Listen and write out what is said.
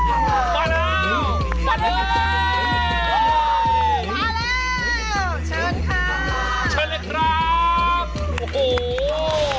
โอ้โห